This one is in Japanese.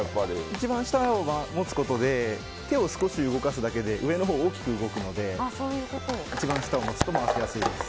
一番下を持つことで手を少し動かすだけで上のほうが大きく動くので一番下を持つと回しやすいです。